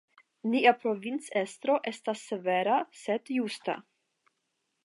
Nia provincestro estas severa, sed justa.